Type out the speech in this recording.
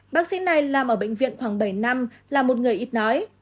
bác sĩ này làm ở bệnh viện khoảng bảy năm là một người ít nói